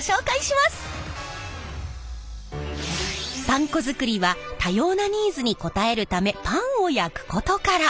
パン粉作りは多様なニーズに応えるためパンを焼くことから。